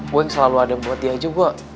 gue yang selalu ada buat dia aja gue